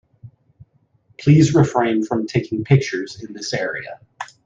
Please refrain from taking pictures in this area.